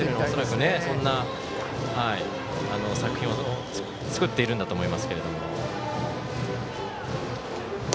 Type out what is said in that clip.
そんな作品を作っているんだと思いますけど。